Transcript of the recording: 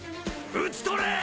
討ち取れ！